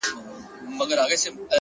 • د ځنګله پاچا ته نوې دا ناره وه ,